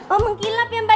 oh mengkilap ya mbak